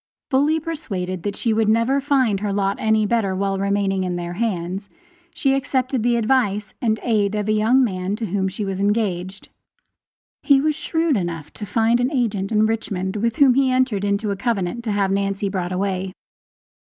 Fully persuaded that she would never find her lot any better while remaining in their hands, she accepted the advice and aid of a young man to whom she was engaged; he was shrewd enough to find an agent in Richmond, with whom he entered into a covenant to have Nancy brought away.